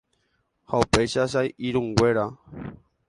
Ha upéicha che irũnguéra.